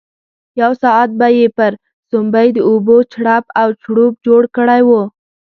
یو ساعت به یې پر سومبۍ د اوبو چړپ او چړوپ جوړ کړی وو.